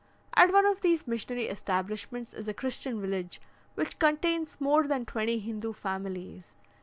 At one of these missionary establishments is a Christian village, which contains more than twenty Hindoo families.